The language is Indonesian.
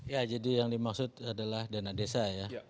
ya jadi yang dimaksud adalah dana desa ya